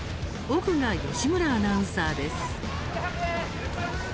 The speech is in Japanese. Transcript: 奥が義村アナウンサーです。